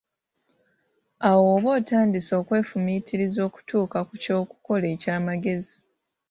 Awo oba otandise okwefumiitiriza okutuuka ku ky'okukola eky'amagezi